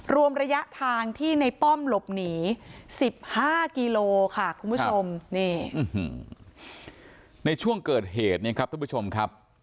รวมระยะทางที่ในป้อมหลบหนี๑๕กิโลค่ะคุณผู้ชมนี่ในช่วงเกิดเหตุเนี่ยครับท่านผู้ชมครับ